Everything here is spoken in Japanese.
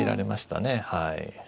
はい。